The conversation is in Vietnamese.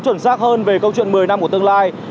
chuẩn xác hơn về câu chuyện một mươi năm của tương lai